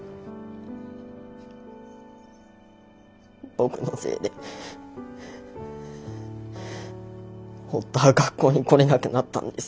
僕のせいで堀田は学校に来れなくなったんです。